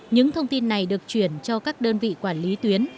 những thông tin này được chuyển cho các đơn vị quản lý tuyến